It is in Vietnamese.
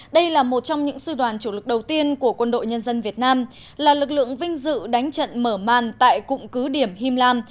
đây là một trong những sư đoàn chủ lực đầu tiên của quân đội nhân dân việt nam là lực lượng vinh dự đánh trận mở màn tại cụm cứ điểm him lam